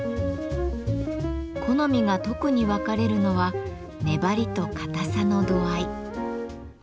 好みが特に分かれるのは「粘り」と「堅さ」の度合い。